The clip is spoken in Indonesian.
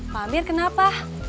pak mir kenapa